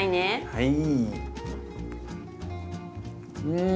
はい。